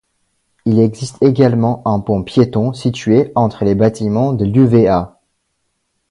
Il existe également un pont piéton situé entre les bâtiments de l'UvA.